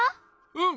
うん。